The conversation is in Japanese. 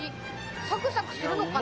サクサクするのかな？